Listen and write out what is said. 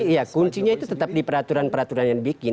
saya kira ya kuncinya itu tetap di peraturan peraturan yang dibikin